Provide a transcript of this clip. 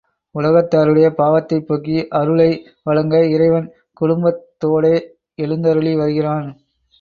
உலகத்தாருடைய பாவத்தைப் போக்கி அருளை வழங்க இறைவன் குடும்பத்தோடே எழுந்தருளி வருகிறான்.